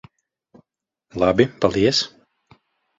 Labi. Paldies.